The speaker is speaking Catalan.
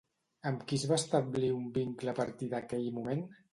Amb qui es va establir un vincle a partir d'aquell moment?